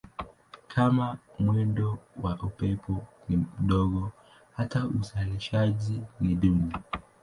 Kama mwendo wa upepo ni mdogo hata uzalishaji ni duni.